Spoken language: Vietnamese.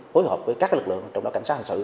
phối hợp với các lực lượng trong đó cảnh sát hành sự